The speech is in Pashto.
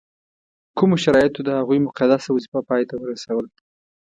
کومو شرایطو د هغوی مقدسه وظیفه پای ته ورسول.